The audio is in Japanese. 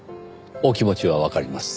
お気持ちはわかります。